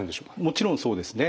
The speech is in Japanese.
もちろんそうですね。